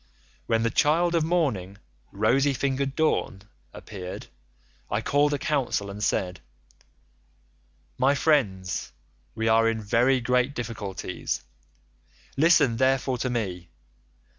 When the child of morning, rosy fingered Dawn, appeared, I called a council and said, 'My friends, we are in very great difficulties; listen therefore to me.